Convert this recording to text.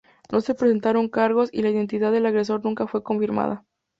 No se presentaron cargos y la identidad del agresor nunca fue confirmada.